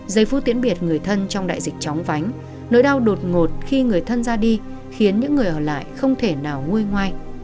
giây phút tiễn biệt người thân trong đại dịch chóng vánh nỗi đau đột ngột khi người thân ra đi khiến những người ở lại không thể nào ngôi ngoai